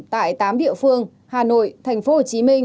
tại tám địa phương hà nội tp hcm